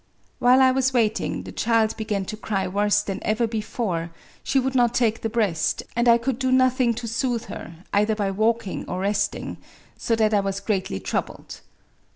While I was waiting, the child began to cry worse than ever before ; she would not take the breast, and I could do nothing to soothe her, either by walking or resting, so that I was greatly troubled.